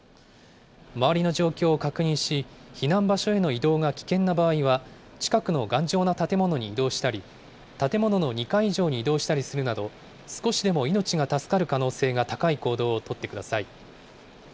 周りの状況を確認し、避難場所への移動が危険な場合は、近くの頑丈な建物に移動したり、建物の２階以上に移動したりするなど、少しでも命が助かる可能性が高い行動を取ってください。